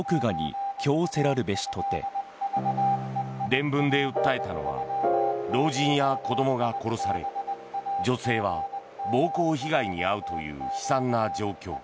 電文で訴えたのは老人や子供が殺され女性は暴行被害に遭うという悲惨な状況。